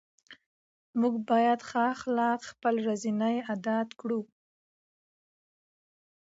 موږ باید ښه اخلاق خپل ورځني عادت کړو